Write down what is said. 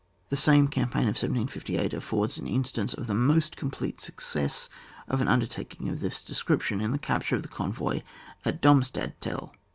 The same campaign of 1758 affords an instance of the most complete success of an undertaking of this description, in the capture of the convoy at Domstadtel.